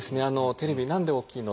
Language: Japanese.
テレビ何で大きいの？